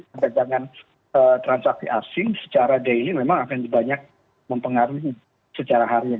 perdagangan transaksi asing secara daily memang akan banyak mempengaruhi secara harian